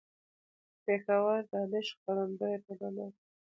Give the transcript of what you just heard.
. پېښور: دانش خپرندويه ټولنه